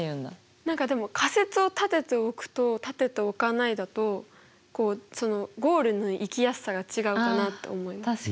何かでも仮説を立てておくと立てておかないだとこうゴールの行きやすさが違うかなって思います。